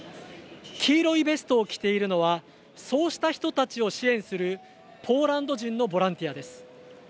黄色いベストを着ているのはそうした人たちを支援するポーランド人のボランティアです。